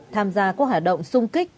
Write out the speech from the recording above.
tham gia các hạ động xung kích